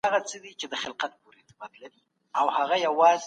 هغه د بېوزلو خلګو سره مرسته کوي.